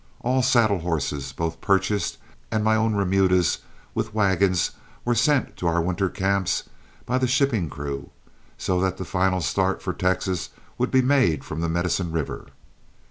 All saddle horses, both purchased and my own remudas, with wagons, were sent to our winter camps by the shipping crew, so that the final start for Texas would be made from the Medicine River.